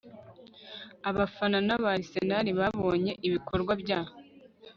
Abafana ba Arsenal babonye ibikorwa bya